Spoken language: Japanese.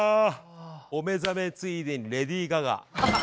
お目覚めついでにレディー・ガガ。